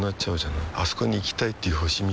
あそこに行きたいっていう星みたいなもんでさ